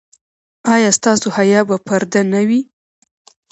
ایا ستاسو حیا به پرده نه وي؟